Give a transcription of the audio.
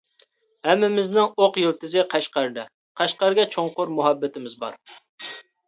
ھەممىمىزنىڭ ئوق يىلتىزى قەشقەردە، قەشقەرگە چوڭقۇر مۇھەببىتىمىز بار.